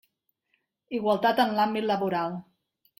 Igualtat en l'àmbit laboral.